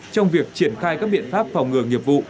trong việc triển khai các biện pháp phòng ngừa nghiệp vụ